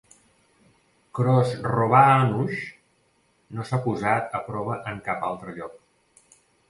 Khosrovanush no s'ha posat a prova en cap altre lloc.